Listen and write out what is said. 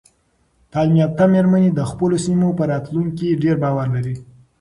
تعلیم یافته میرمنې د خپلو سیمو په راتلونکي ډیر باور لري.